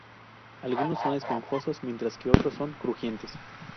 Algunos son esponjosos mientras que otros son crujientes.